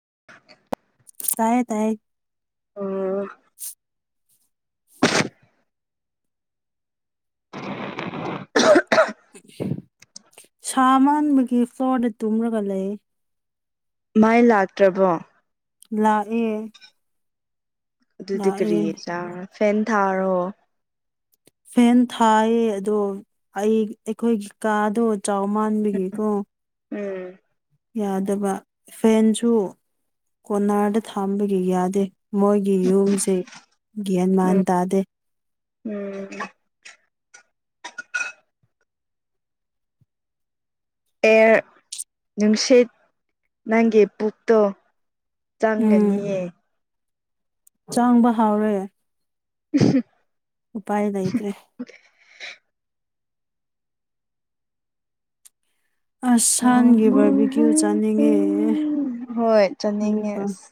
[inaudible] ꯇꯥꯏ ꯇꯥꯏ ꯑꯣꯝ [inaudible] ꯁꯥ ꯃꯥꯟꯕꯒꯤ ꯐ꯭ꯂꯣꯔꯗ ꯇꯨꯝꯂꯒ ꯂꯩ ꯃꯥꯏ ꯂꯥꯛꯇ꯭ꯔꯕꯣ ꯂꯥꯛꯑꯦ ꯑꯗꯨꯗꯤ ꯀꯔꯤ ꯂꯥꯛꯑꯦ ꯆꯥꯔ ꯐꯦꯟ ꯊꯥꯔꯣ ꯐꯦꯟ ꯊꯥꯏꯌꯦ ꯑꯗꯣ ꯑꯩ ꯑꯩꯈꯣꯏꯒꯤ ꯀꯥꯗꯣ ꯆꯥꯎ ꯃꯥꯟꯕꯤꯒꯦꯀꯣ ꯎꯝ ꯌꯥꯗꯕ ꯐꯦꯟꯁꯨ ꯀꯣꯟꯅꯥꯔꯗ ꯊꯥꯝꯕꯒꯤ ꯌꯥꯗꯦ ꯃꯣꯏꯒꯤ ꯌꯨꯝꯁꯤ ꯒ꯭ꯌꯥꯟ ꯃꯥꯟ ꯎꯝ ꯇꯥꯗꯦ ꯎꯝ ꯑꯦ ꯅꯨꯡꯁꯤꯠ ꯅꯪꯒꯤ ꯄꯨꯨꯞꯇꯣ ꯆꯪꯒꯅꯤꯑ ꯆꯥꯡꯕ ꯍꯥꯎꯔꯦ ꯎ ꯎꯄꯥꯏ ꯂꯩꯇ꯭ꯔꯦ ꯑꯁ ꯁꯟꯒꯤ ꯃ ꯕꯔꯕꯤꯀ꯭ꯌꯨ ꯆꯥꯅꯤꯡꯉꯦ ꯍꯣꯏ ꯆꯅꯤꯡꯉꯁ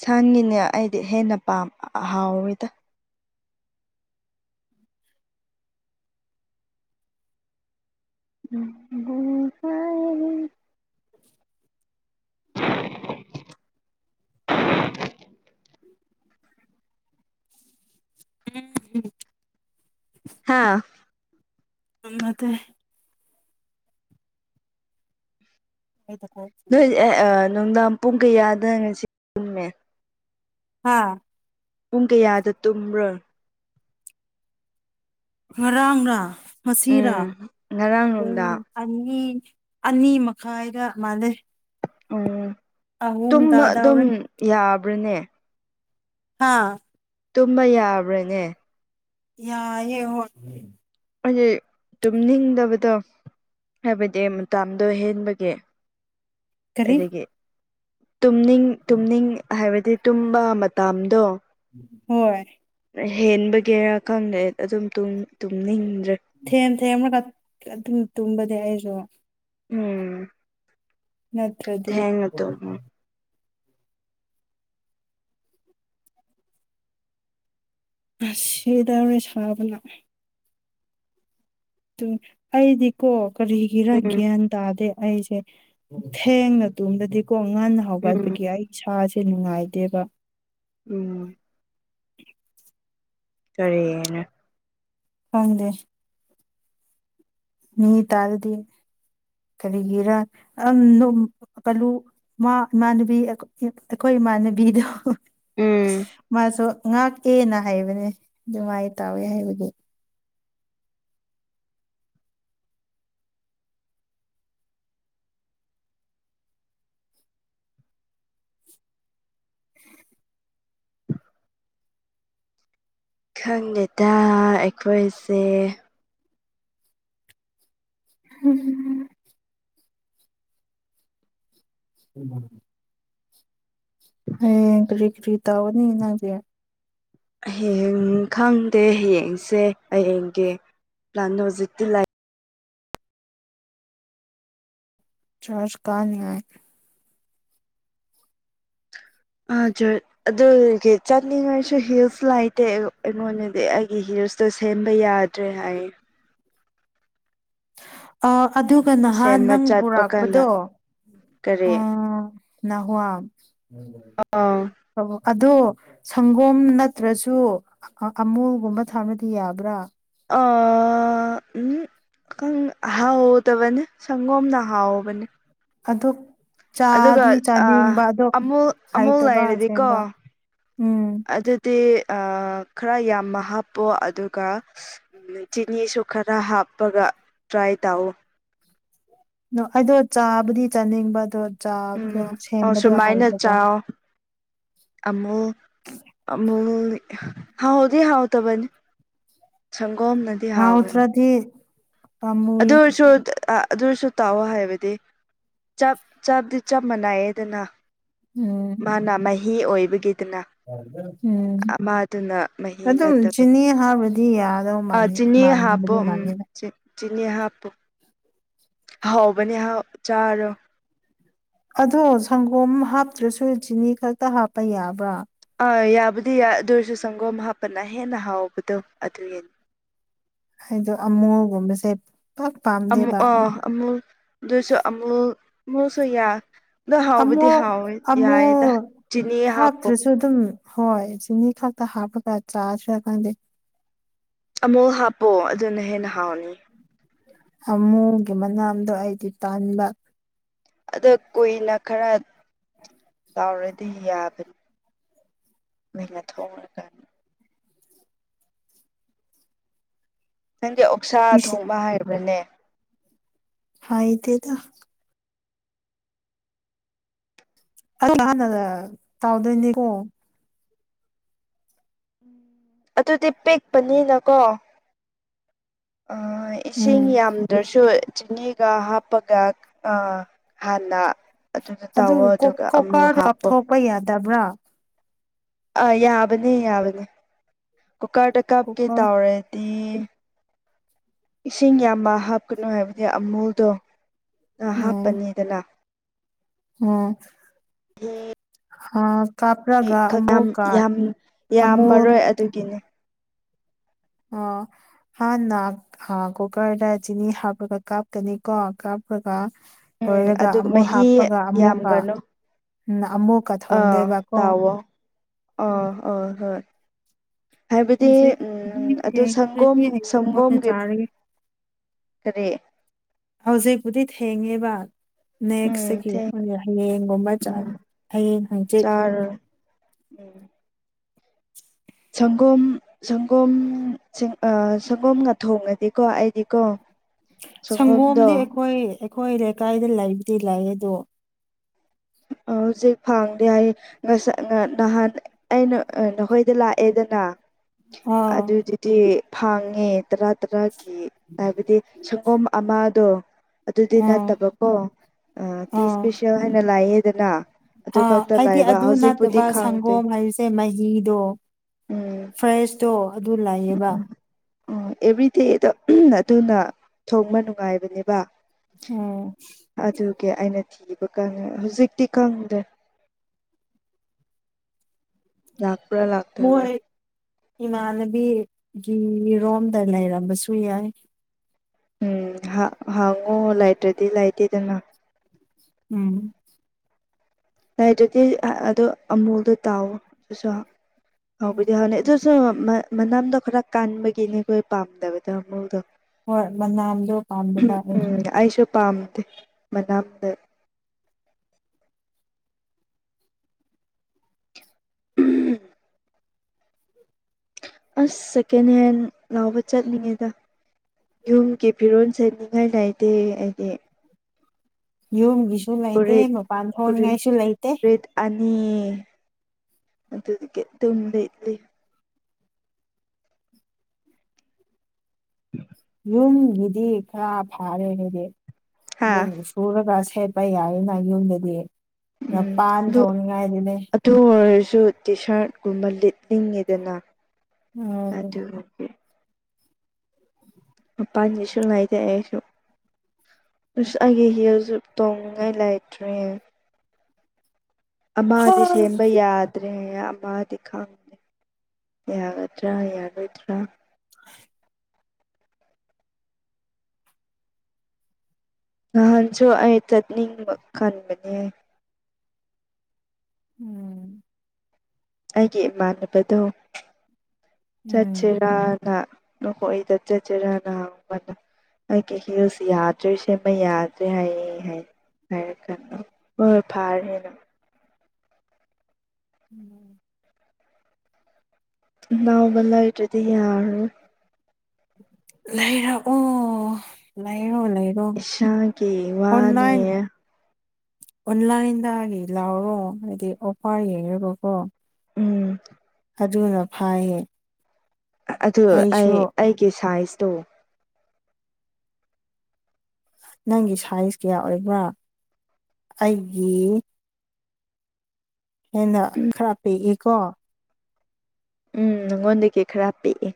ꯁꯟꯒꯤꯅꯦ ꯑꯩꯗꯤ ꯍꯦꯟꯅ ꯄꯥꯝꯕ ꯑꯍꯥꯎꯋꯦꯗ ꯎꯝ ꯉꯥꯏ ꯍꯥꯥ ꯃꯦ ꯅꯣꯏ ꯅꯨꯡꯗꯥꯡ ꯄꯨꯡ ꯀꯌꯥꯗ ꯉꯁꯤ ꯆꯨꯝꯃꯦ ꯍꯥꯥ ꯄꯨꯡ ꯀꯌꯥꯗ ꯇꯨꯝꯔꯣꯏ ꯉꯔꯥꯡꯔꯥ ꯉꯁꯤꯔꯥ ꯎꯝ ꯉꯔꯥꯡ ꯄꯨꯡ ꯅꯨꯡꯗꯥꯡ ꯑꯅꯤ ꯑꯅꯤ ꯃꯈꯥꯏꯗ ꯃꯥꯜꯂꯦ ꯎꯝ ꯑꯍꯨꯝꯗ ꯇꯨꯝꯕ ꯑꯗꯨꯝ ꯗꯧꯔꯦ ꯌꯥꯕ꯭ꯔꯅꯦ ꯍꯥꯥ ꯇꯨꯝꯕ ꯌꯥꯕ꯭ꯔꯥꯅꯦ ꯌꯥ ꯍꯥꯏꯗꯤ ꯇꯨꯝꯅꯤꯡꯗꯕꯗꯣ ꯍꯥꯏꯕꯗꯤ ꯃꯇꯥꯝꯗꯣ ꯍꯦꯟꯕꯒꯤ ꯀꯔꯤ ꯑꯗꯨꯗꯒꯤ ꯇꯨꯝꯅꯤꯡ ꯇꯨꯝꯅꯤꯡ ꯍꯥꯏꯕꯗꯤ ꯇꯨꯝꯕ ꯃꯇꯝꯗꯣ ꯍꯣꯏꯣꯏ ꯍꯦꯟꯕꯒꯤꯦꯔꯥ ꯈꯪꯗꯦ ꯑꯗꯨꯝ ꯇꯨꯝꯅꯤꯡ ꯊꯦꯡ ꯊꯦꯡ ꯑꯃꯅ ꯑꯗꯨꯝ ꯇꯨꯝꯕꯗꯤ ꯑꯩꯁꯨ ꯎꯝ ꯅꯠꯇ꯭ꯔꯗꯤꯞ ꯊꯦꯡꯅ ꯇꯨꯝꯃꯦ ꯑꯁꯤꯗ ꯑꯣꯏꯅ ꯁꯥꯕꯅ ꯑꯩꯗꯤꯀꯣ ꯎꯝ ꯀꯔꯤꯒꯤꯔꯒꯦ ꯇꯗꯦ ꯑꯩꯁꯦ ꯊꯦꯡꯅ ꯇꯨꯝꯗꯗꯤꯀꯣ ꯉꯟꯅ ꯎꯝ ꯍꯒꯠꯄꯒꯤ ꯑꯩ ꯏꯁꯥꯁꯦ ꯁꯤ ꯅꯨꯡꯉꯥꯏꯗꯦꯕ ꯎꯝ ꯀꯔꯤꯅ ꯐꯪꯗꯦ ꯃꯤ ꯇꯥꯔꯗꯤ ꯀꯔꯤꯒꯤꯔ ꯄꯥꯂꯨ ꯏꯃꯥꯅꯨꯕꯤ ꯑꯩꯈꯣꯏ ꯃꯥꯟꯕꯤꯗ ꯎꯝ ꯃꯥꯁꯨ ꯉꯥꯛꯑꯦꯅ ꯍꯥꯏꯕꯅꯦ ꯃꯥꯏ ꯇꯥꯎꯋꯦ ꯍꯥꯏꯕꯒꯤ [unintelligible] ꯈꯪꯗꯦꯗ ꯑꯩꯈꯣꯏꯁꯦ ꯎꯝꯝ [unintelligible] ꯍ ꯀꯔꯤ ꯀꯔꯤ ꯇꯑꯣꯅꯤꯒꯤ ꯍꯌꯦꯡ ꯈꯪꯗꯦ ꯍꯌꯦꯡꯁꯦ ꯍꯌꯦꯡꯒꯤ ꯄ꯭ꯂꯥꯟ ꯍꯧꯖꯤꯛꯇꯤ ꯂꯥꯏ ꯆꯔꯖ ꯀꯥ ꯅꯌꯥꯏ ꯖꯣꯏ ꯑꯗꯨꯒꯤ ꯆꯠꯅꯤꯡꯉꯥꯏꯁꯨ ꯍꯤꯜꯁ ꯂꯩꯇꯦ ꯑꯩꯉꯣꯟꯗꯗꯤ ꯑꯩꯒꯤ ꯍꯜ ꯇ ꯁꯦꯝꯕ ꯌꯥꯗ꯭ꯔꯦ ꯍꯥꯏ ꯑꯗꯨꯒ ꯅꯍꯥꯟ ꯁꯦꯝꯕ ꯅꯪ ꯆꯠꯄ ꯀꯥꯟꯗ ꯄꯨꯔꯛꯄꯗꯣ ꯀꯔꯤ ꯑ ꯍꯨꯋꯥ ꯑꯥ ꯑꯗꯣ ꯁꯪꯒꯣꯝ ꯅꯠꯇ꯭ꯔꯁꯨ ꯑꯃꯨꯜꯒꯨꯝꯕ ꯊꯥꯅꯗꯤ ꯌꯥꯕ꯭ꯔꯥ ꯑꯥ ꯎꯝ ꯍꯥꯎꯍꯧꯗꯕꯅꯤ ꯁꯪꯒꯣꯝꯅ ꯍꯥꯎꯕꯅꯦ ꯑꯗꯨ ꯑꯗꯨꯒ ꯑꯃꯨ ꯑꯃꯨꯜ ꯍꯩꯇꯕ ꯂꯩꯔꯗꯤꯀꯣ ꯑꯁꯦꯡꯕ ꯎꯝ ꯑꯗꯨꯗꯤ ꯑ [unintelligible] ꯀꯥꯏ ꯇꯑꯣ ꯑꯩꯗꯣ ꯆꯥꯕꯨꯗꯤ ꯆꯥꯅꯤꯡꯕ ꯑꯗꯣ ꯆꯥꯕꯗꯣ ꯎꯝ ꯁꯦꯝꯕꯗꯣ ꯍꯥꯏꯗꯕ ꯑꯃꯃ ꯑꯃ ꯍꯥꯎꯗꯤ ꯍꯥꯎ ꯇꯕꯅꯤ ꯁꯪꯒꯣꯝꯅꯗꯤ ꯍꯥꯎꯕꯅꯤ ꯍꯥꯎꯇ꯭ꯔꯗꯤ ꯄꯥꯝꯃꯨꯏ ꯑꯗꯨ ꯑꯣꯏꯁꯨ ꯑꯥ ꯑꯗꯨꯁꯨ ꯇꯥꯛꯑꯣ ꯍꯥꯏꯕꯗꯤ ꯆꯞ ꯆꯗꯤ ꯆꯞ ꯃꯥꯟꯅꯥꯏꯌꯦꯗꯅ ꯎꯝ ꯃꯥꯅ ꯃꯍꯤ ꯑꯣꯏꯕꯒꯤ ꯑꯗꯨꯅ ꯎꯝ ꯑꯃꯥꯗꯨꯅ ꯃꯍꯤ ꯑꯗꯨꯝ ꯅꯠꯇꯕ ꯆꯤꯅꯤ ꯍꯥꯞꯕꯗꯤ ꯌꯥꯗꯧ ꯑ ꯃꯥꯟꯅꯤ ꯆꯤꯅꯤ ꯍꯥꯞꯄ ꯃꯥꯟꯕꯗꯤ ꯎꯝ ꯃꯥꯟꯅꯤꯗ ꯆ ꯆꯤꯅꯦ ꯍꯥꯞꯄꯨ ꯍꯥꯎꯕꯅꯦ ꯆꯥꯔꯣ ꯑꯗꯣ ꯁꯪꯒꯣꯝ ꯍꯥꯞꯇ꯭ꯔꯁꯨ ꯆꯤꯅꯤ ꯈꯛꯇ ꯍꯥꯞꯄ ꯌꯥꯕ꯭ꯔꯥ ꯌꯥꯕꯨꯗꯤ ꯑꯗꯨ ꯑꯣꯏꯔꯁꯨ ꯁꯪꯒꯣꯝ ꯍꯥꯞꯄꯅ ꯍꯦꯟꯅ ꯍꯥꯎꯕꯗꯣ ꯑꯗꯨꯒꯤꯅꯤ ꯍꯥꯏꯗꯣ ꯑꯃꯨꯒꯨꯝꯕꯁꯦ ꯑꯃꯨ ꯑꯥ ꯑꯃꯨꯜ ꯑꯗꯨꯏꯁꯨ ꯑꯃꯨꯜ ꯑꯃꯨꯜꯁꯨ ꯌꯥ ꯑꯗꯣ ꯑꯃꯨ ꯍꯥꯎꯕꯗꯤ ꯍꯥꯎꯋꯦ ꯑꯃꯨ ꯌꯥꯏꯌꯦꯗ ꯆꯤꯅꯤ ꯍꯥꯞꯄꯣ ꯍꯥꯞꯇ꯭ꯔꯁꯨ ꯑꯗꯨꯝ ꯍꯣꯏ ꯆꯤꯅꯤ ꯈꯛꯇ ꯍꯥꯞꯄꯒ ꯆꯥꯗ꯭ꯔ ꯈꯪꯗꯦ ꯑꯃꯨꯛ ꯍꯥꯞꯄꯣ ꯑꯗꯨꯅ ꯍꯦꯟꯅ ꯍꯥꯎꯅꯤ ꯑꯃꯣꯒꯤ ꯃꯅꯥꯝꯗꯣ ꯑꯩꯗꯤ ꯇꯥꯟꯕ ꯑꯗ ꯀꯨꯏꯅ ꯈꯔ ꯇꯥꯎꯔꯗꯤ ꯌꯥꯕꯅꯤ ꯃꯩꯅ ꯊꯔꯀꯅꯤ ꯅꯪꯒꯤ ꯑꯣꯛꯁꯥ ꯊꯣꯡꯕ ꯍꯥꯏꯕ꯭ꯔꯅꯦ ꯍꯗꯦꯗ ꯑ ꯇꯥꯎꯗꯅꯤ ꯑꯗꯨꯗꯤ ꯄꯤꯦꯛꯄꯅꯤꯅꯀꯣ ꯎꯝ ꯏꯁꯤꯡ ꯌꯥꯝꯗ꯭ꯔꯁꯨ ꯆꯅꯤꯤꯒ ꯍꯥꯄꯒ ꯑ ꯍꯅ ꯑꯗꯨꯒ ꯀꯣꯀꯥꯔꯗꯨ ꯍꯥꯞꯄꯣ ꯀꯥꯞꯊꯣꯛꯄ ꯌꯥꯗꯕ꯭ꯔꯥ ꯑ ꯌꯥꯕꯅꯦ ꯌꯥꯕꯅꯤ ꯀꯨꯀꯥ ꯇ ꯀꯥꯞ ꯀꯦ ꯀꯨꯀꯔ ꯇꯥꯥꯎꯔꯦ ꯏꯁꯤꯡ ꯌꯥꯝꯕ ꯍꯥꯞꯀꯅꯨ ꯍꯥꯏꯕꯗꯤ ꯑꯃꯨꯜꯗꯣ ꯑ ꯍꯥꯞꯄꯅꯤꯗꯅ ꯑꯣꯝ ꯍ ꯑ ꯀꯥꯄ꯭ꯔꯒ ꯑꯃꯨꯀꯥ ꯌꯥꯝ ꯑꯃꯨꯛ ꯌꯥꯝꯃꯔꯣꯏ ꯑꯗꯨꯒꯤꯅꯦ ꯑ ꯍꯥꯟꯅ ꯀꯨꯀꯔꯗ ꯆꯤꯅꯤ ꯍꯥꯞꯄꯒ ꯀꯥꯞꯀꯅꯤꯀꯣꯞ ꯍꯥꯞꯄꯒ ꯎꯝ ꯇꯣꯏꯔꯒ ꯑꯗꯨ ꯑꯃꯨꯛ ꯃꯍꯤ ꯍꯥꯞꯄꯒ ꯑꯃꯨꯛꯀ ꯌꯥꯝꯒꯅꯨ ꯑꯃꯨꯛꯀ ꯑꯥ ꯊꯣꯡꯗꯣꯏꯕꯀꯣ ꯇꯗꯥꯑꯣꯣ ꯑꯥ ꯑ ꯍꯣꯏ ꯍꯥꯏꯕꯗꯤ ꯍꯧꯖꯤꯛ ꯎꯝ ꯑꯗꯨ ꯁꯪꯒꯣꯝ ꯀꯗꯤ ꯍꯥꯏꯌ ꯑꯣ ꯁꯪꯒꯣꯝꯒꯤ ꯅꯖꯥꯔꯒꯦ ꯀꯔꯤ ꯍꯧꯖꯤꯛꯄꯨꯗꯤ ꯊꯦꯡꯉꯦꯕ ꯎꯝ ꯅꯦꯛꯁꯁꯤꯒꯤ ꯊꯦꯡ ꯍꯌꯦꯡꯒꯨꯝꯕ ꯆ ꯎꯝ ꯍꯌꯦꯡ ꯍꯪꯆ ꯆꯥꯔꯣꯏ ꯎꯝ ꯁꯪꯒꯣꯝ ꯁꯪꯒꯣꯝ ꯁꯪꯒꯣꯝꯒ ꯊꯣꯡꯉꯗꯤꯀꯣ ꯑꯩꯗꯤꯀꯣ ꯁꯪꯒꯣꯝꯗꯣ ꯁꯪꯒꯣꯝꯗꯤ ꯑꯩꯈꯣꯏ ꯑꯩꯈꯣꯏ ꯂꯩꯀꯥꯏꯗ ꯂꯩꯕꯨꯗꯤ ꯂꯥꯛꯑ ꯑꯗꯣ ꯑ ꯍꯧꯖꯤꯛ ꯐꯪꯗꯦ ꯑꯩ ꯅꯍꯥꯟ ꯑꯩꯅ ꯅꯈꯣꯏꯗ ꯂꯥꯛꯑꯦꯗꯅ ꯑꯥ ꯑꯗꯨꯗꯨꯗꯤ ꯐꯪꯉꯦ ꯇꯔꯥ ꯇꯔꯥꯒꯤ ꯍꯥꯏꯕꯗꯤ ꯁꯪꯒꯣꯝ ꯑꯃꯗꯣ ꯑꯗꯨꯗꯤ ꯑꯥ ꯅꯠꯇꯕꯀꯣ ꯇꯤ ꯑꯥ ꯏꯁꯄꯤꯦꯁꯦꯜ ꯍꯥꯏꯅ ꯂꯥꯛꯌꯦꯗꯅ ꯑꯥ ꯍꯥꯏꯗꯤ ꯑꯗꯨ ꯅꯠꯇꯕ ꯈꯪꯗꯦ ꯁꯪꯒꯣꯝ ꯍꯥꯏꯔꯤꯁꯦ ꯃꯍꯤꯗꯣ ꯎꯝ ꯐ꯭ꯔꯦꯁꯇꯣ ꯑꯗꯨ ꯂꯥꯛꯑꯕ ꯑꯣ ꯑꯦꯚ꯭ꯔꯤꯗꯦꯗꯣ ꯑꯗꯨꯅ ꯊꯣꯡꯕ ꯅꯨꯡꯉꯥꯏꯕꯅꯦꯕ ꯎꯝ ꯑꯣꯀꯦ ꯑꯩꯅ ꯊꯤꯕ ꯈꯪꯉꯦ ꯍꯧꯖꯤꯛꯇꯤ ꯈꯪꯗ꯭ꯔꯦ ꯅꯥꯛꯄꯨꯔꯥ ꯂꯥꯛꯇ ꯏꯃꯥꯟꯅꯕꯤꯒꯤ ꯔꯣꯝꯗ ꯂꯩꯔꯝꯕꯁꯨ ꯌꯥꯏ ꯎꯝ ꯍꯥꯡꯉꯨ ꯂꯥꯏꯇ꯭ꯔꯗꯤ ꯂꯥꯏꯇꯦꯗꯅ ꯎꯝ ꯂꯩ ꯑꯗꯨꯗꯤ ꯑꯗꯨ ꯑꯃꯨꯜꯗꯣ ꯇꯥꯎꯑꯣ ꯑꯗꯨꯁꯨ ꯍꯥꯎꯕꯨꯗꯤ ꯍꯥꯎꯅꯤꯩ ꯑꯗꯨ ꯁꯣ ꯃꯅꯝꯗꯣ ꯈꯔ ꯀꯥꯟꯕꯒꯤꯅꯦ ꯑꯩꯈꯣꯏ ꯄꯥꯝꯗꯕꯗ ꯃꯨꯗꯣ ꯍꯣꯏ ꯃꯅꯥꯝꯗꯣ ꯄꯥꯝꯗ ꯄꯥꯂꯁꯨ ꯎꯝ ꯑꯩꯁꯨ ꯄꯥꯝꯗꯦ ꯃꯅꯥꯅ ꯝ ꯑꯁ ꯁꯦꯀꯦꯟ ꯍꯦꯟ ꯂꯥꯎꯕ ꯆꯠꯂꯤꯉꯩꯗ ꯌꯨꯝꯒꯤ ꯐꯤꯔꯣꯜ ꯁꯦꯠꯅꯤꯡꯉꯥꯏ ꯅꯥꯏꯗꯦ ꯍꯥꯏꯗꯤ ꯌꯨꯝꯒꯤꯁꯨ ꯂꯩꯇꯦ ꯃꯄꯥꯟ ꯊꯣꯛꯣꯡꯅꯤꯡꯉꯥꯏꯁꯨ ꯂꯩꯇꯦ ꯑꯗꯨꯗꯤ ꯑꯗꯨꯝ ꯂꯩꯠꯂꯤ ꯎ ꯌꯨꯝꯒꯤꯗꯤ ꯈꯔ ꯐꯥꯔꯦ ꯍꯥꯏꯗꯤ ꯍꯥ ꯑꯗꯨꯝ ꯁꯨꯔꯒ ꯆꯄ ꯌꯥꯏꯅ ꯌꯨꯝꯗꯗꯤ ꯎꯝ ꯉꯄꯥꯟ ꯊꯣꯡꯅꯤꯡꯉꯥꯏꯗꯨꯅꯦ ꯁꯨ ꯇꯤ ꯁꯥꯔꯠ ꯀꯨꯝꯕ ꯂꯤꯠꯂꯤꯉꯤꯗꯅ ꯎꯝ ꯑꯗꯨꯒꯤ ꯑꯄꯥꯥꯟ ꯅꯤꯡꯁꯣꯟ ꯉꯅꯥꯥꯏꯗ ꯑꯁꯨ ꯁ ꯑꯒꯦ ꯍꯌꯔꯖ ꯇꯣꯡꯉꯥꯏ ꯂꯥꯏꯇ꯭ꯔꯦꯦ ꯍꯥ ꯑꯃꯗꯤ ꯁꯦꯝꯕ ꯌꯥꯗ꯭ꯔꯦ ꯑꯃꯗꯤ ꯈꯪꯗꯦ ꯌꯥꯒꯗ꯭ꯔꯥ ꯌꯥꯔꯣꯏꯗ꯭ꯔꯥ ꯅꯍꯥꯟꯁꯨ ꯑꯩ ꯆꯠꯅꯤꯡꯕ ꯀꯟꯕꯅꯦ ꯎꯝ ꯑꯩꯒꯤ ꯏꯃꯥꯟꯅꯕꯗꯣ ꯎꯝ ꯆꯠꯁꯤꯔꯥꯅ ꯍꯣꯏ ꯆ ꯆꯠꯖꯔꯅꯅꯤ ꯑꯩ ꯀ ꯍꯁ ꯌꯥꯗ꯭ꯔꯦꯁ ꯃ ꯌꯥꯗ꯭ꯔꯦ ꯍꯥꯏ ꯍꯥꯏ ꯀ ꯀ ꯑꯣ ꯐꯥꯔꯅ ꯎꯝ ꯅꯥꯕꯂꯥꯏ ꯑꯗꯨꯗꯤ ꯌꯥꯔ ꯂꯩꯏꯔꯛꯎ ꯂꯩ ꯂꯩꯔꯣ ꯂꯩꯔꯣ ꯏꯁꯥꯒꯤ ꯑꯣꯟꯂꯥꯏꯟ ꯋꯥꯅꯦ ꯑꯣꯟꯂꯥꯏꯟꯗꯒꯤ ꯂꯥꯎꯔꯣ ꯍꯥꯏꯗꯤ ꯑꯣꯐꯔ ꯌꯦꯡꯉꯒꯀꯣ ꯎꯝ ꯑꯗꯨꯅ ꯐꯥꯏꯌꯦ ꯑꯗꯨ ꯑꯩ ꯑꯩꯒꯤ ꯁꯥꯏꯖꯇꯣ ꯅꯪꯒꯤ ꯁꯥꯏꯖ ꯀꯌꯥ ꯑꯣꯏꯕ꯭ꯔꯥ ꯑꯩꯒꯤ ꯍꯦꯟꯅ ꯈꯔ ꯄꯤꯛꯏꯀꯣ ꯎꯝ ꯅꯪꯉꯣꯟꯗꯒꯤ ꯈꯔ ꯄꯤꯛꯏ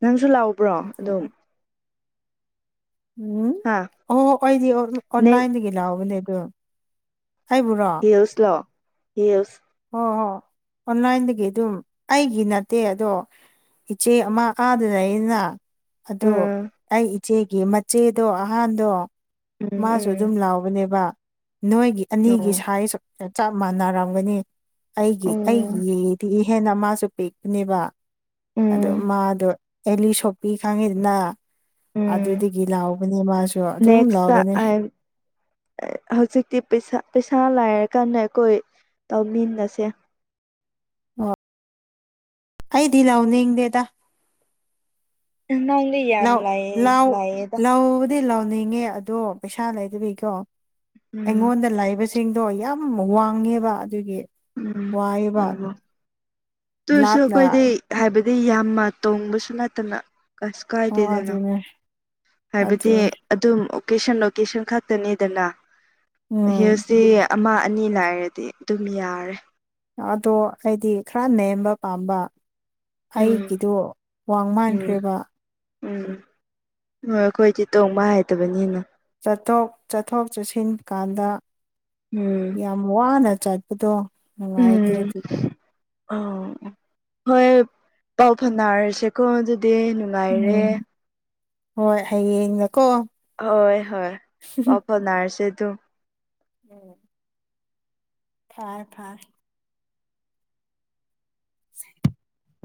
ꯅꯪꯁꯨ ꯂꯥꯎꯕ꯭ꯔꯣ ꯑꯗꯨꯝ ꯑꯗꯨꯒ ꯎꯝ ꯍꯥ ꯑꯣ ꯑꯩꯗꯤ ꯅꯦꯛ ꯑꯣꯅꯥꯥꯏꯟꯗꯒꯤ ꯂꯑꯣꯕꯅꯦ ꯑꯗꯨ ꯍꯤꯜꯁ ꯂꯣ ꯍꯤꯜꯁ ꯍꯣꯏ ꯍꯣꯏ [unintelligible] ꯑꯣꯟꯂꯥꯏꯟꯗꯒꯤ ꯑꯗꯨꯝ ꯑꯩꯒꯤ ꯅꯠꯇꯦ ꯑꯗꯣ ꯏꯆꯦ ꯑꯃ ꯀꯥꯗ ꯂꯩꯌ‌ꯦꯗꯅ ꯑꯗꯣ ꯎꯝ ꯑꯩ ꯏꯆꯦꯒꯤ ꯃꯆꯦꯗꯣ ꯑꯍꯥꯟꯕꯗꯣ ꯎꯝ ꯃꯥꯁꯨ ꯑꯗꯨꯝ ꯎꯝ ꯂꯥꯎꯕꯅꯦꯕ ꯅꯣꯏꯒꯤ ꯑꯅꯤꯒꯤ ꯑꯣ ꯁꯥꯏꯁꯨ ꯆꯞ ꯃꯥꯟꯅꯔꯝꯒꯅꯤ ꯑꯩꯒꯤ ꯑꯣ ꯑꯩꯒꯤ ꯌꯦꯗꯤꯏ ꯃꯥꯁꯨ ꯄꯤꯛꯄꯅꯦꯕ ꯑꯗ‌ꯣ ꯎꯝ ꯃꯥꯗꯣ ꯑꯦꯂꯤ ꯁꯣꯄꯤ ꯈꯥꯡꯉꯤꯗꯅ ꯎꯝ ꯑꯗꯨꯗꯒꯤ ꯂꯥꯎꯕꯅꯦ ꯃꯥꯁꯨ ꯑꯗꯨꯝ ꯅꯦꯛꯁꯇ ꯂꯥꯎꯕꯅ‌ꯦ ꯍꯧꯖꯤꯛꯇꯤ ꯄꯩꯁꯥ ꯄꯩꯁꯥ ꯂꯥꯏꯔꯀꯥꯟꯗ ꯑꯩꯈꯣꯏ ꯇꯧꯃꯤꯟꯅꯁꯦ ꯑꯣ ꯑꯩꯗꯤ ꯂꯥꯎꯅꯤꯡꯗꯦꯗ ꯅꯪꯗꯤ ꯌꯥꯝ ꯂꯋ ꯂꯥꯏꯌꯦ ꯂꯥꯏꯌꯦꯗ ꯂꯋ ꯂꯋ ꯅꯤꯡꯉꯦ ꯑꯗꯣ ꯄꯩꯁꯥ ꯂꯩꯗꯕꯤꯀꯣ ꯎꯝ ꯑꯩꯉꯣꯟꯗ ꯂꯩꯕ ꯁꯤꯡꯗꯣ ꯌꯥꯝ ꯋꯥꯡꯉꯦꯕ ꯑꯗꯨꯒꯤ ꯎꯝ ꯋꯥꯏꯑꯦꯕ ꯑꯣ ꯇꯨꯔꯁꯨ ꯂꯥꯞꯅ ꯑꯩꯈꯣꯏꯗꯤ ꯍꯥꯏꯕꯗꯤ ꯑꯃ ꯇꯣꯡꯕꯁꯨ ꯅꯠꯇꯅ ꯀꯁꯨ ꯑꯣ ꯀꯥꯏꯗꯦꯗꯅꯣ ꯑꯗꯨꯅꯦ ꯍꯥꯏꯕꯗꯤ ꯑꯗꯨꯅꯦ ꯑꯗꯨꯝ ꯑꯣꯀꯦꯁꯟ ꯂꯣꯀꯦꯁꯟ ꯈꯛꯇꯅꯤꯗꯅ ꯎꯝ ꯍꯤꯜꯁꯇꯤ ꯑꯃ ꯑꯅꯤ ꯂꯥꯏꯔꯗꯤ ꯑꯗꯨꯝ ꯌꯥꯔꯦ ꯑꯗꯣ ꯍꯥꯏꯗꯤ ꯈꯔ ꯅꯦꯝꯕ ꯄꯥꯝꯕ ꯎꯝ ꯑꯩꯒꯤꯗꯨ ꯎꯝ ꯋꯥꯡꯃꯥꯟꯈ꯭ꯔ‌ꯦꯕ ꯎꯝ ꯍꯣꯏ ꯑꯩꯈꯣꯏꯗꯤ ꯇꯣꯡꯕ ꯍꯥꯏꯗꯕꯅꯤꯅ ꯆꯠꯊꯣꯛ ꯆꯠꯊꯣꯛ ꯆꯠꯁꯤꯟ ꯀꯥꯟꯗ ꯎꯝ ꯌꯥꯝ ꯋꯥꯅ ꯆꯠꯄꯗꯣ ꯅꯨꯡꯉꯥꯏꯇꯦ ꯑꯗꯨꯗ ꯑ ꯍꯣꯏ ꯄꯥꯎ ꯐꯅꯔꯁꯦꯀꯣ ꯑꯗꯨ ꯅꯨꯡꯉꯥꯏꯔꯦ ꯎꯝ ꯍꯣꯏ ꯍꯌꯦꯡ ꯍꯣꯏ ꯍꯣꯏ ꯄꯧ ꯐꯅꯔꯁꯦ ꯑꯗꯨ ꯎꯝ ꯐꯔ‌ꯦ ꯐꯔ‌ꯦ [inaudible]